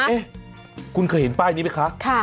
เอ๊ะคุณเคยเห็นป้ายนี้ไหมคะ